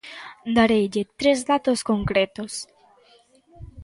Dareille tres datos concretos.